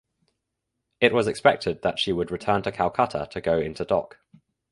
It was expected that she would return to Calcutta to go into dock.